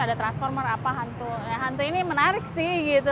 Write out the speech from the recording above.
ada transformer apa hantu ini menarik sih gitu